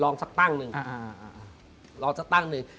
ลองสักตั้งหนึ่ง